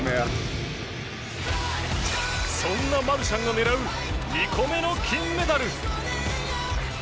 そんなマルシャンが狙う２個目の金メダル。